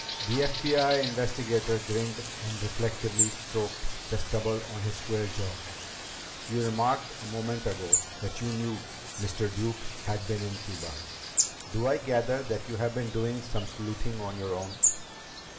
The FBI investigator grinned and reflectively stroked the stubble on his square jaw. "You remarked a moment ago that you knew Mr. Duke had been in Cuba. Do I gather that you have been doing some sleuthing on your own?"